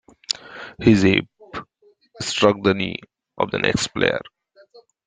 His hip struck the knee of the next player.